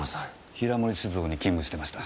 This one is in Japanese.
平森酒造に勤務してました。